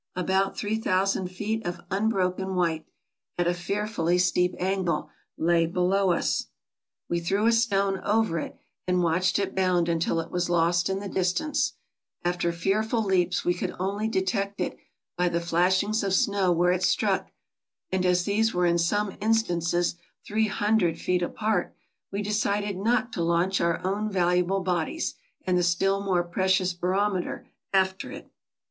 About 3000 feet of unbroken white, at a fearfully steep angle, lay below us. We threw a stone over it and watched it bound until it was lost in the distance ; after fearful leaps we could only detect it by the flashings of snow where it struck, and as these were in some instances three hundred feet apart, we decided not to launch our own valuable bodies, and the still more precious barometer, after it.